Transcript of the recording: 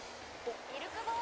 ミルクボーイ。